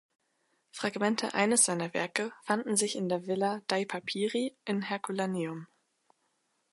Fragmente eines seiner Werke fanden sich in der Villa dei Papiri in Herculaneum.